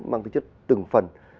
mang tính chất từng phần